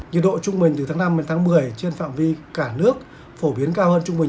nhiệt độ trung bình từ tháng năm đến tháng một mươi trên phạm vi cả nước phổ biến cao hơn trung bình